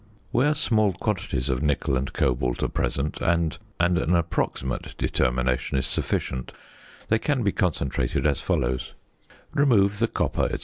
Where small quantities of nickel and cobalt are present, and an approximate determination is sufficient, they can be concentrated as follows: Remove the copper, &c.